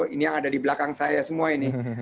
ini yang ada di belakang saya semua ini